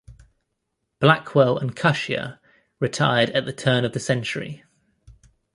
Blackwell and Cushier retired at the turn of the century.